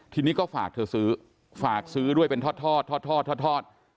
ทีนี้ก็ฝากเธอซื้อฝากซื้อด้วยเป็นทอดทอด